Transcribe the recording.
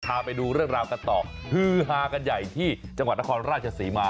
พาไปดูเรื่องราวกันต่อฮือฮากันใหญ่ที่จังหวัดนครราชศรีมา